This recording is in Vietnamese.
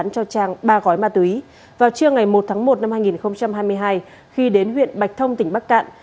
cho trang ba gói ma túy vào trưa ngày một tháng một năm hai nghìn hai mươi hai khi đến huyện bạch thông tỉnh bắc cạn